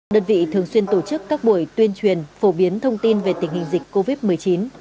đơn vị thường xuyên tổ chức các buổi tuyên truyền phổ biến thông tin về tình hình dịch covid một mươi chín